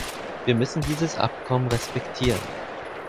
Wir müssen dieses Abkommen respektieren.